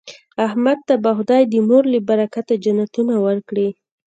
احمد ته به خدای د مور له برکته جنتونه ورکړي.